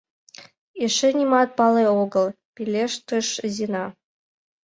— Эше нимат пале огыл, — пелештыш Зина.